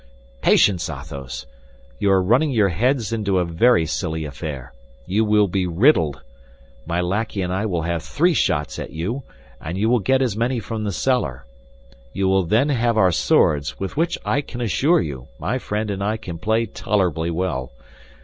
Patience, Athos! You are running your heads into a very silly affair; you will be riddled. My lackey and I will have three shots at you, and you will get as many from the cellar. You will then have our swords, with which, I can assure you, my friend and I can play tolerably well.